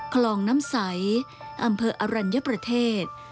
คลองน้ำใสอำเภออรัญญประเทศ